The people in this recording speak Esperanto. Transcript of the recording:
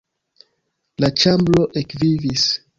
La ĉambro ekvivis.